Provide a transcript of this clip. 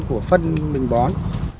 nên mình bón